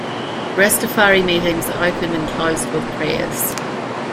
Rastafari meetings are opened and closed with prayers.